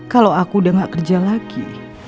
kalau aku udah gak kerja lagi